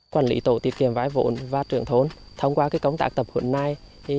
quản lý tổ tiết kiệm vay vốn và trưởng thốn thông qua cái công tác tập hướng này